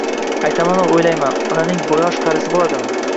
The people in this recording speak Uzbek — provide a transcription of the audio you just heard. Aytamanu o‘ylayman: onaning yosh-qarisi bo‘ladimi?